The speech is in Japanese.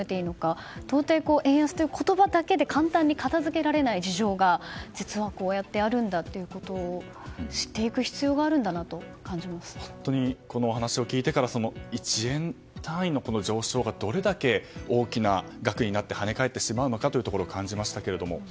本当に円安の言葉だけで簡単に片づけられない事情があるんだということを知っていく必要があるんだと本当にこのお話を聞いてから１円単位の上昇がどれだけ大きな額になってはね返ってしまうのかということを感じました。